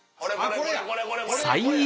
これや。